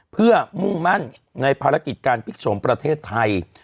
เพื่อมุ่งมั่นในภารกิจการพลิกโฉมประเทศไทย